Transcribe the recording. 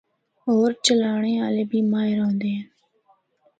ہور چلانڑے آلے بھی ماہر ہوندے ہن۔